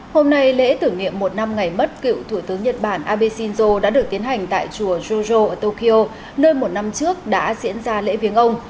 hôm nay lễ tưởng niệm một năm ngày mất cựu thủ tướng nhật bản abe shinzo đã được tiến hành tại chùa jujo ở tokyo nơi một năm trước đã diễn ra lễ viếng ông